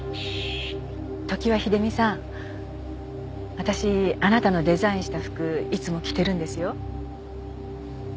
私あなたのデザインした服いつも着てるんですよ。